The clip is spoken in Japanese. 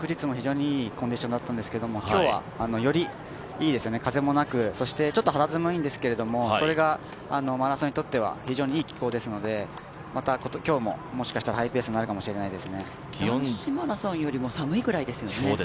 昨日も非常にいいコンディションだったんですけども今日は、より風もなくちょっと肌寒いんですけどそれがマラソンにとっては非常にいい気候ですのでまた、今日も、もしかしたらハイペースになるかもしれません。